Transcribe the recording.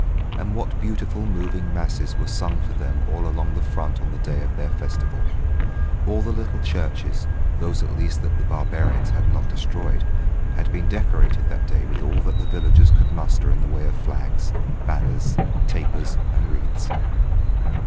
And what beautiful, moving Masses were sung for them all along the front on the day of their festival. All the little churches those at least that the barbarians have not destroyed had been decorated that day with all that the villages could muster in the way of flags, banners, tapers and wreaths.